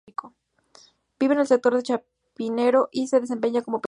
Vive en el sector de Chapinero y se desempeña como peluquero.